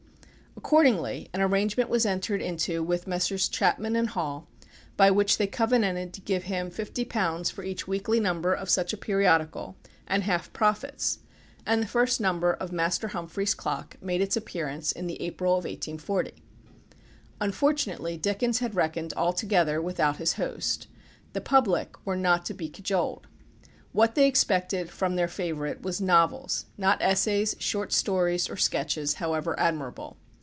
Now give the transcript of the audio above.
Accordingly an arrangement was entered into with Messrs. Chapman and Hall, by which they covenanted to give him £50 for each weekly number of such a periodical, and half profits; and the first number of Master Humphrey's Clock made its appearance in the April of 1840. Unfortunately Dickens had reckoned altogether without his host. The public were not to be cajoled. What they expected from their favourite was novels, not essays, short stories, or sketches, however admirable.